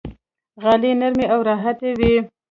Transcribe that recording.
غالۍ نرمې او راحته وي.